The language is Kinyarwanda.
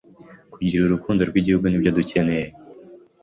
Kugira Urukundo rw’igihugu nibyo dukeneye